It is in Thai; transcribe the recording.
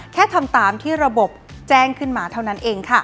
ทำตามที่ระบบแจ้งขึ้นมาเท่านั้นเองค่ะ